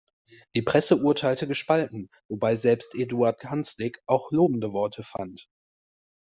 Die Presse urteilte gespalten, wobei selbst Eduard Hanslick auch lobende Worte fand.